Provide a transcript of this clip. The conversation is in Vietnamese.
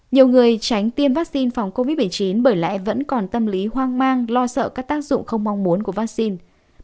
nhiều người tránh tiêm vaccine phòng covid một mươi chín bởi lẽ vẫn còn tâm lý hoang mang lo sợ các tác dụng không mong muốn của vaccine